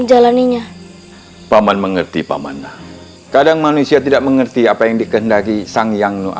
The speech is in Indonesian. jika kamu diliputi dengan kehadiranmu